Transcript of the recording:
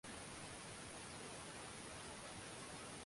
Siku hizi watu hutumia njia ya haja kubwa na kwenye uke